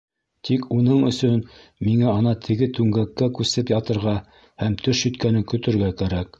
— Тик уның өсөн миңә ана теге түңгәккә күсеп ятырға һәм төш еткәнен көтөргә кәрәк.